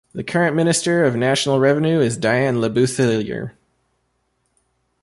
The current Minister of National Revenue is Diane Lebouthillier.